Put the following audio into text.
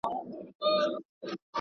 توازن د ژوند کیفیت لوړوي.